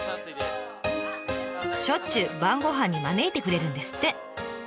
しょっちゅう晩ごはんに招いてくれるんですって。